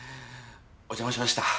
お邪魔しました。